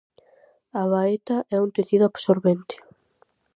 A baeta é un tecido absorbente.